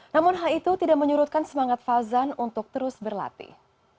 namun hal itu tidak menyurutkan semangat fauzan untuk terus berlatih